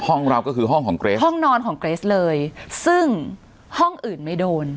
ห้องเราก็คือห้องของเกรสห้องนอนของเกรสเลยซึ่งห้องอื่นไม่โดน